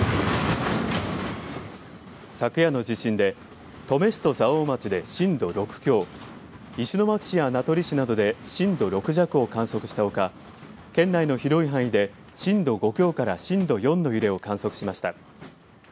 昨夜の地震で登米市と蔵王町で震度６強、石巻市や名取市などで震度６弱を観測したほか県内の広い範囲で震度５強から震度４の揺れを観測しました。